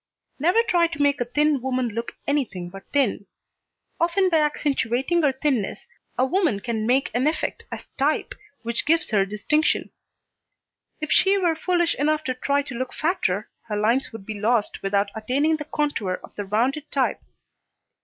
Never try to make a thin woman look anything but thin. Often by accentuating her thinness, a woman can make an effect as type, which gives her distinction. If she were foolish enough to try to look fatter, her lines would be lost without attaining the contour of the rounded type.